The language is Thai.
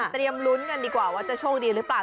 ลุ้นกันดีกว่าว่าจะโชคดีหรือเปล่า